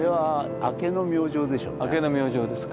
明けの明星ですか。